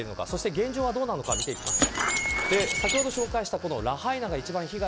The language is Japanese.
現状はどうなのか見ていきます。